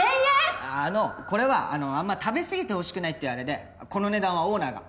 あのこれはあんまり食べすぎてほしくないっていうあれでこの値段はオーナーが。